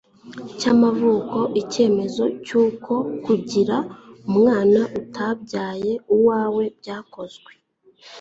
cy'amavuko, Icyemezo cy'uko kugira umwana utabyaye uwawe byakozwe,